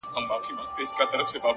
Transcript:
پر ما خوښي لكه باران را اوري؛